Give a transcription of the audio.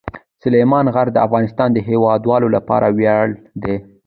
سلیمان غر د افغانستان د هیوادوالو لپاره ویاړ دی.